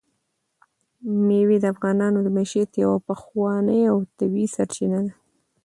مېوې د افغانانو د معیشت یوه پخوانۍ او طبیعي سرچینه ده.